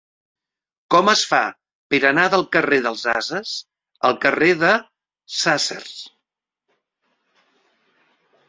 Com es fa per anar del carrer dels Ases al carrer de Sàsser?